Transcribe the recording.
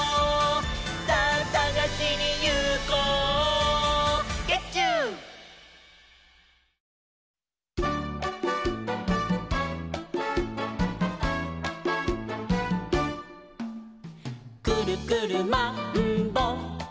「さぁさがしにいこう」「ゲッチュー」「くるくるマンボ」